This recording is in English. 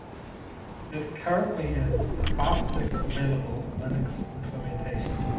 It currently is the fastest available Linux implementation.